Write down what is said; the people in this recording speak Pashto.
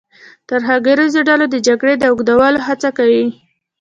ترهګریزو ډلو د جګړې د اوږدولو هڅه کوي.